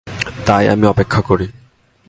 তাই, আমি অপেক্ষা করি।